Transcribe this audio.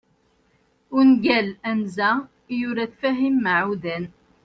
ungal anza, yura-t Fahim Meɛudan